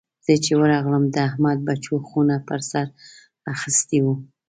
زه چې ورغلم؛ د احمد بچو خونه پر سر اخيستې وه.